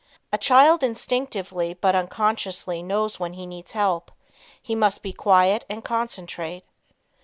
A child instinctively but unconsciously knows when he needs help, he must be quiet and concentrate.